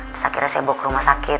terakhirnya saya bawa ke rumah sakit